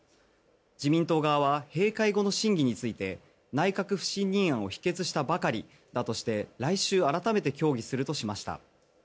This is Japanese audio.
自民党側は閉会後の審議について内閣不信任案を否決したばかりだとして来週、改めて協議するとしました。